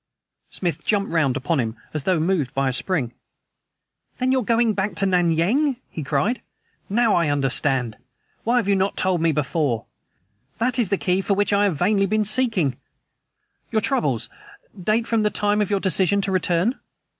Smith jumped round upon him as though moved by a spring. "Then you are going back to Nan Yang?" he cried. "Now I understand! Why have you not told me before? That is the key for which I have vainly been seeking. Your troubles date from the time of your decision to return?"